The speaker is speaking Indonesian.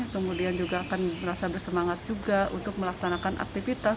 kemudian juga akan merasa bersemangat juga untuk melaksanakan aktivitas